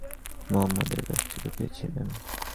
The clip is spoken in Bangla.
তিনি নিজ জীবদ্দশাতেই নবী মুহাম্মদ এর কাছ থেকে পেয়েছিলেন।